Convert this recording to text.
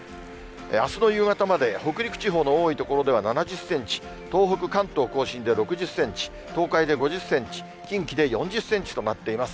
あすの夕方まで北陸地方の多い所では７０センチ、東北、関東甲信で６０センチ、東海で５０センチ、近畿で４０センチとなっています。